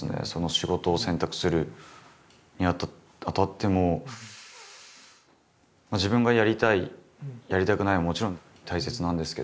仕事を選択するにあたっても自分がやりたいやりたくないはもちろん大切なんですけど。